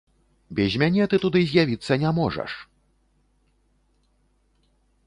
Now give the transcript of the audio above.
Без мяне ты туды з'явіцца не можаш!